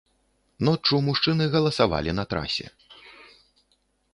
Ноччу мужчыны галасавалі на трасе.